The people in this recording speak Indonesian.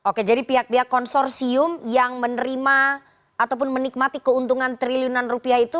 oke jadi pihak pihak konsorsium yang menerima ataupun menikmati keuntungan triliunan rupiah itu